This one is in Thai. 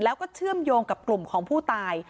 แล้วก็เชื่อมโยงกับกลุ่มของผู้ตาย